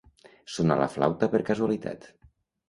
Sonar la flauta per casualitat.